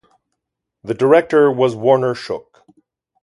The director was Warner Shook.